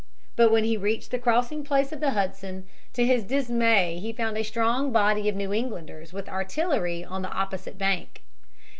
But when he reached the crossing place of the Hudson, to his dismay he found a strong body of New Englanders with artillery on the opposite bank.